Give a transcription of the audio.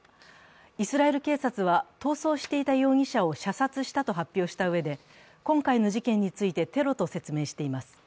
イスラエル警察は逃走していた容疑者を射殺したと発表したうえで今回の事件についてテロと説明しています。